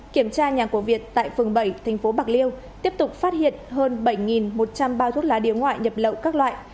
kiểm tra nhà của việt tại phường bảy tp bạc liêu tiếp tục phát hiện hơn bảy một trăm linh bao thuốc lá điếu ngoại nhập lậu các loại